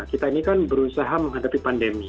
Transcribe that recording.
kita ini kan berusaha menghadapi pandemi